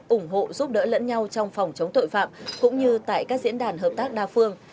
ủng hộ giúp đỡ lẫn nhau trong phòng chống tội phạm cũng như tại các diễn đàn hợp tác đa phương